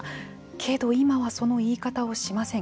けど、今はその言い方をしません。